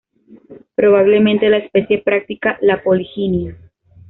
Probablemente la especie practica la poliginia.